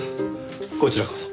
こちらこそ。